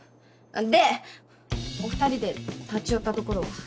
でお二人で立ち寄ったところは？